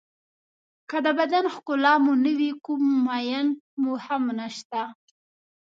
که د بدن ښکلا مو نه وي کوم مېن مو هم نشته.